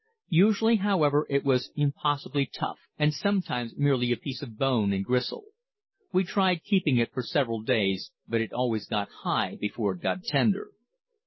Usually, however, it was impossibly tough, and sometimes merely a piece of bone and gristle. We tried keeping it for several days, but it always got high before it got tender.